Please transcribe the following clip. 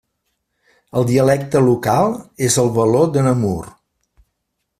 El dialecte local és el való de Namur.